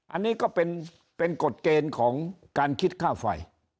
อันนี้ก็เป็นกฎเกณฑ์ของการคิดค่าไฟ